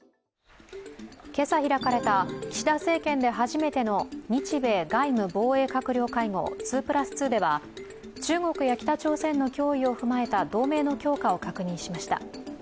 今朝開かれた岸田政権で初めての日米外務・防衛閣僚会合＝２＋２では中国や北朝鮮の脅威を踏まえた同盟の強化を確認しました。